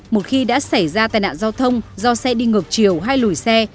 một khi đã xảy ra tai nạn giao thông do xe đi ngược chiều hay lùi xe